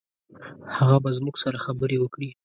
هغه به زموږ سره خبرې وکړي.